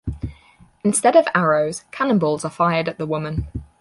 Instead of arrows, cannonballs are fired at the woman.